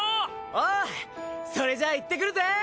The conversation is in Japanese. それじゃあいってくるぜ！